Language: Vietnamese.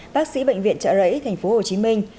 bác sĩ bệnh viện trợ rẫy thành phố hồ chí minh